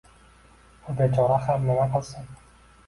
U bechora ham nima qilsin